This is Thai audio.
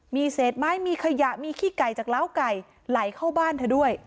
มีเศษไม้มีขยะมีขี้ไก่จากล้าวไก่ไหลเข้าบ้านเธอด้วย